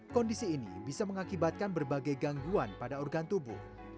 kondisi ini bisa mengakibatkan berbagai gangguan pada organ tubuh